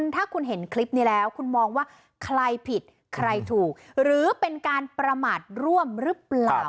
ถ้าคุณเห็นคลิปนี้แล้วคุณมองว่าใครผิดใครถูกหรือเป็นการประมาทร่วมหรือเปล่า